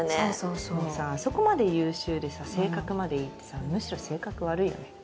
でもさあそこまで優秀でさ性格までいいってさむしろ性格悪いよね。